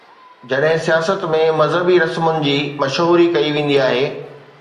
جڏهن سياست ۾ مذهبي رسمن جي مشهوري ڪئي ويندي آهي.